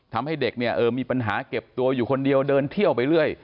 ทำให้เด็กเนี่ยมีปัญหาเก็บตัวอยู่คนเดียวเดินเที่ยวไปเรื่อย